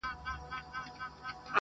خوند كوي دا دوه اشــــنا~